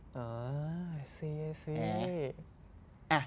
อ๋ออาซิอาซิ